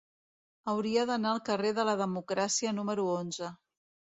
Hauria d'anar al carrer de la Democràcia número onze.